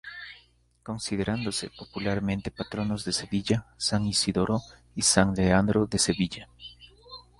Considerándose popularmente patronos de Sevilla, san Isidoro y san Leandro de Sevilla.